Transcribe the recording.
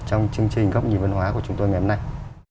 trong chương trình góc nhìn văn hóa của chúng tôi ngày hôm nay